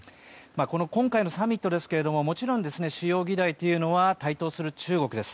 今回のサミットですけどもちろん主要議題というのは台頭する中国です。